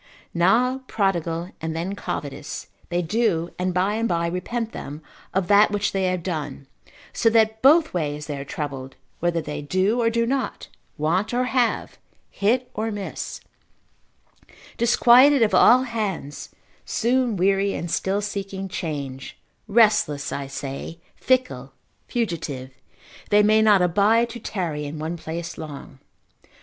Now prodigal, and then covetous, they do, and by and by repent them of that which they have done, so that both ways they are troubled, whether they do or do not, want or have, hit or miss, disquieted of all hands, soon weary, and still seeking change, restless, I say, fickle, fugitive, they may not abide to tarry in one place long.